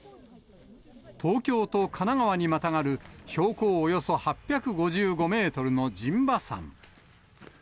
東京と神奈川にまたがる、標高およそ８５５メートルの陣馬山。